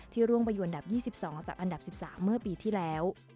ร่วงไปอยู่อันดับ๒๒จากอันดับ๑๓เมื่อปีที่แล้ว